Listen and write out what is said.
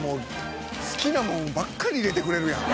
好きなもんばっかり入れてくれるやん。